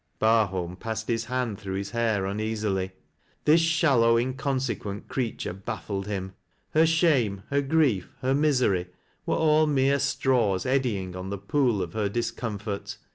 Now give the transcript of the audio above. Barholra passed hishaud through his hair uneasily. Tliis shallow, inconsequent creature baffled him. Her shame, her grief, her misery, were all mere straws eddying on the pool of her discomfort.